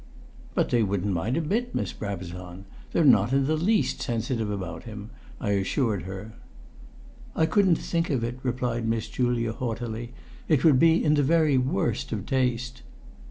"But they wouldn't mind a bit, Miss Brabazon! They're not in the least sensitive about him," I assured her. "I couldn't think of it," replied Miss Julia, haughtily. "It would be in the very worst of taste."